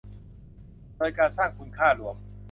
โดยการสร้างคุณค่าร่วม